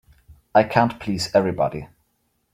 I can't please everybody.